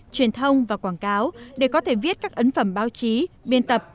truyền thông và quảng cáo để có thể viết các ấn phẩm báo chí biên tập